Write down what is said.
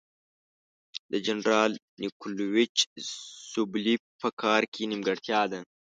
د جنرال نیکولایویچ سوبولیف په کار کې نیمګړتیا ده.